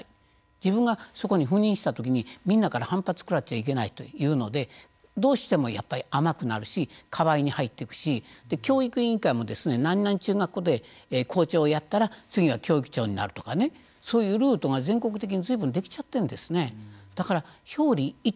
自分がそこに赴任したときにみんなから反発を食らっちゃいけないというのでどうしても、やっぱり甘くなるし教育委員会も、何々中学校で校長をやったら次は教育長になるとかそういうルートが全国的にずいぶんできちゃってるんですよね。